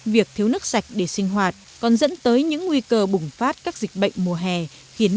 việc thiếu nước sạch để sinh hoạt còn dẫn tới những nguy cơ bùng phát các dịch bệnh mùa hè khiến